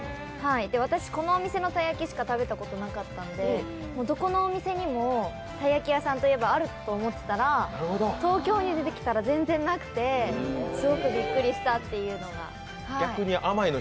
私、このお店のたい焼きしか食べたことなかったんで、どこのお店にもたい焼き屋さんといえばあると思ったら東京に出てきたら全然なくてすごくびっくりしたっていうのが。